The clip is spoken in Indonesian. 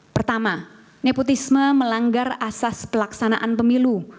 pertama nepotisme melanggar asas pelaksanaan pemilu